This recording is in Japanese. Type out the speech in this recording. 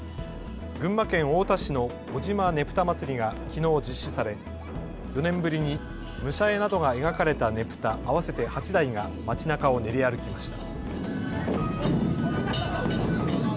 群馬県太田市の尾島ねぷたまつりがきのう実施され、４年ぶりに武者絵などが描かれたねぷた合わせて８台が街なかを練り歩きました。